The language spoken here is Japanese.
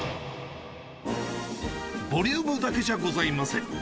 ボリュームだけじゃございません。